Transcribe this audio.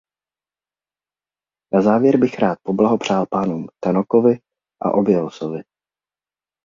Na závěr bych rád poblahopřál pánům Tannockovi a Obiolsovi.